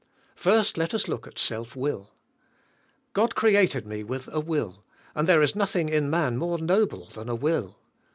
First let us look at self will. God created me with a will, and there is nothing in man more noble than a will.